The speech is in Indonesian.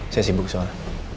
saya sibuk soalnya